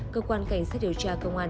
cơ quan cảnh sát điều tra công an